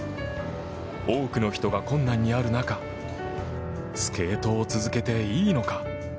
多くの人が困難にある中スケートを続けていいのか？